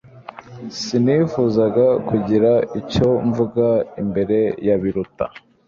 Sinifuzaga kugira icyo mvuga imbere ya Biruta